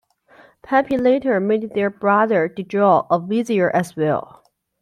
Pepi later made their brother, Djau, a vizier as well.